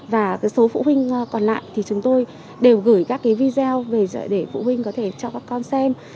và cái số phụ huynh còn lại thì chúng tôi đều gửi các cái video để phụ huynh có thể cho các con xem